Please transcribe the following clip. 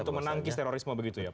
untuk menangkis terorisme begitu ya pak